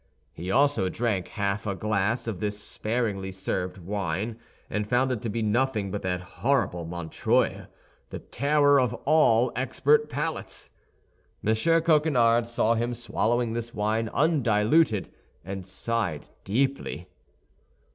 He also drank half a glass of this sparingly served wine, and found it to be nothing but that horrible Montreuil—the terror of all expert palates. M. Coquenard saw him swallowing this wine undiluted, and sighed deeply.